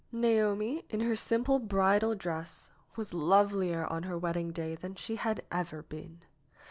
Naomi, in her simple bridal dress, was lovelier on her wedding day than she had ever been.